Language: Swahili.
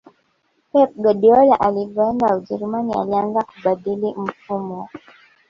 pep guardiola alivyoenda ujerumani alianza kubadili mfumo